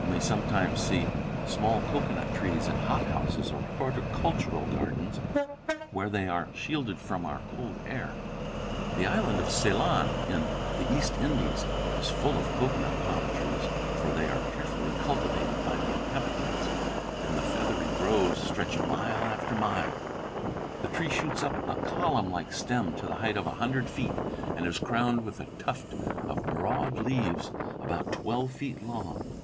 You may sometimes see small cocoanut trees in hothouses or horticultural gardens, where they are shielded from our cold air. The island of Ceylon, in the East Indies, is full of cocoanut palm trees, for they are carefully cultivated by the inhabitants, and the feathery groves stretch mile after mile. The tree shoots up a column like stem to the height of a hundred feet, and is crowned with a tuft of broad leaves about twelve feet long.